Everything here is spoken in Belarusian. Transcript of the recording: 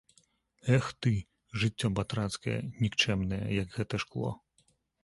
Эх ты, жыццё батрацкае, нікчэмнае, як гэта шкло!